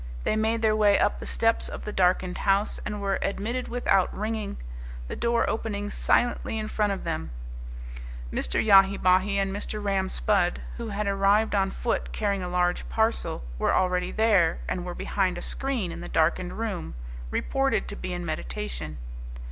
They made their way up the steps of the darkened house, and were admitted without ringing, the door opening silently in front of them. Mr. Yahi Bahi and Mr. Ram Spudd, who had arrived on foot carrying a large parcel, were already there, and were behind a screen in the darkened room, reported to be in meditation.